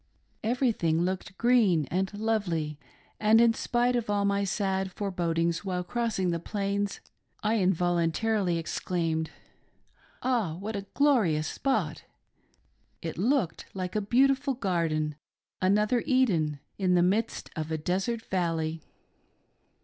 Everything looked green and lovely, and in spite of all my sad forebodings while cross ing the Plains, I involuntarily exclaimed, " Ah, what a glorious spot !" It looked like a beautiful garden — another Eden — in the midst of a desert valley.